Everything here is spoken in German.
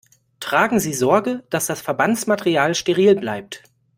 Tragen Sie Sorge, dass das Verbandsmaterial steril bleibt.